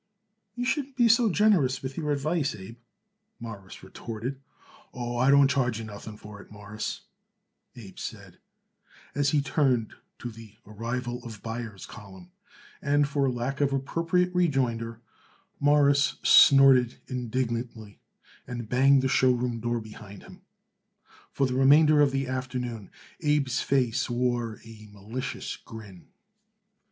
"You shouldn't be so generous with your advice, Abe," Morris retorted. "Oh, I don't charge you nothing for it, Mawruss," Abe said, as he turned to the "Arrival of Buyers" column, and, for lack of appropriate rejoinder, Morris snorted indignantly and banged the show room door behind him. For the remainder of the afternoon Abe's face wore a malicious grin.